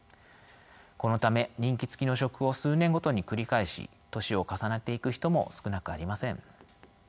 このため任期付きの職を数年ごとに繰り返し年を重ねていく人も少なくありません。